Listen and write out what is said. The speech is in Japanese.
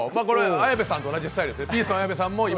綾部さんと同じスタイルです。